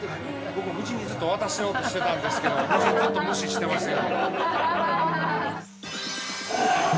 ◆僕も夫人にずっと渡そうとしてたんですけど夫人、ずっと無視してましたよ。